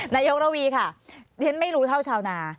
นายกระวีค่ะเพราะฉะนั้นไม่รู้เท่าชาวนา